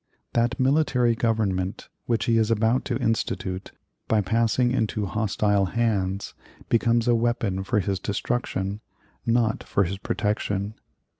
That military Government which he is about to institute, by passing into hostile hands, becomes a weapon for his destruction, not for his protection.